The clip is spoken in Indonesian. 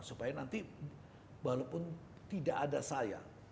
supaya nanti walaupun tidak ada saya